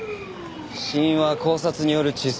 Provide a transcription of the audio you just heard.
死因は絞殺による窒息死。